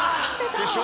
でしょ？